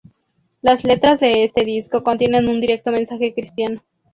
Las letras de este disco contienen un directo mensaje cristiano.